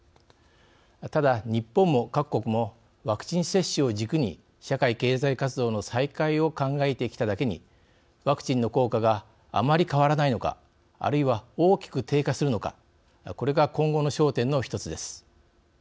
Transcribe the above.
ただ、日本も各国もワクチン接種を軸に社会経済活動の再開を考えてきただけにワクチンの効果があまり変わらないのかあるいは大きく低下するのかこれが今後の焦点の１つです。